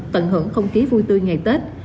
tận hưởng không khí vui tươi ngày tết